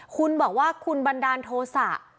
คุณบอกว่าคุณบันดาลโทษะ